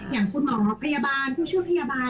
อย่างคุณหมอพยาบาลผู้ช่วยพยาบาล